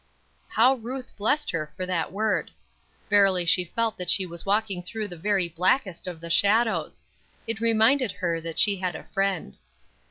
How Ruth blessed her for that word! Verily she felt that she was walking through the very blackest of the shadows! It reminded her that she had a friend.